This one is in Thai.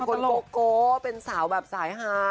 เป็นคนโกะเป็นสาวแบบสายหา